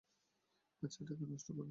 বাচ্চাটাকে নষ্ট করব?